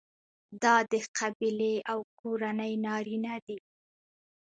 دا د قبیلې او کورنۍ نارینه دي.